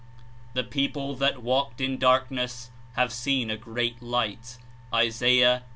^^The people that 35 ivalked hi darkness have seen a great light'' (Is. 9.